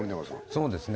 そうですね